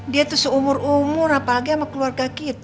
dia tuh seumur umur apalagi sama keluarga kita